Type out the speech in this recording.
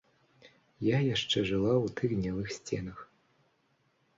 Я яшчэ жыла ў тых гнілых сценах.